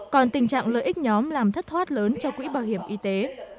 còn tình trạng lợi ích nhóm làm thất thoát lớn cho quỹ bảo hiểm y tế